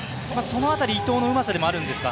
その辺り伊藤のうまさでもあるんですか？